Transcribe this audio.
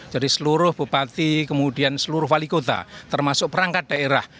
seluruh bupati kemudian seluruh wali kota termasuk perangkat daerah